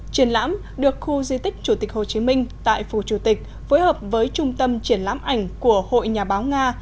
triển lãm được khu di tích chủ tịch hồ chí minh tại phù chủ tịch phối hợp với trung tâm triển lãm ảnh của hội nhà báo nga